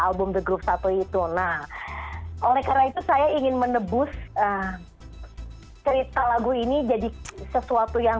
album the group satu itu nah oleh karena itu saya ingin menebus cerita lagu ini jadi sesuatu yang